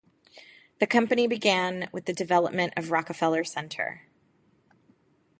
The company began with the development of Rockefeller Center.